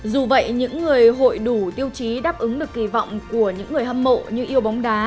dù vậy những người hội đủ tiêu chí đáp ứng được kỳ vọng của những người hâm mộ như yêu bóng đá